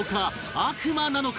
悪魔なのか？